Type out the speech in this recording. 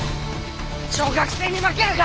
小学生に負けるか！